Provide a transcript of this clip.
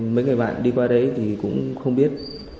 mấy người bạn đi qua đấy thì cũng không biết